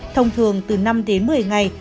thông thường từ năm một mươi ngày